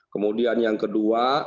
kemudian yang kedua